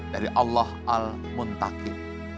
dari allah al muntaki